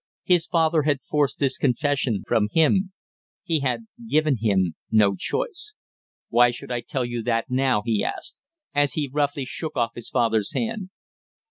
His father had forced this confession, from him, he had given him no choice! "Why should I tell you that now?" he asked, as he roughly shook off his father's hand.